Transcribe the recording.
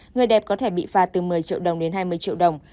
người đẹp có thể bị phạt từ một mươi triệu đồng đến hai mươi triệu đồng